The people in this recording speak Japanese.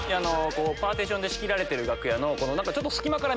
パーティションで仕切られてる。